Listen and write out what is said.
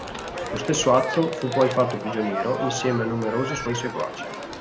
Lo stesso Azzo fu poi fatto prigioniero insieme a numerosi suoi seguaci.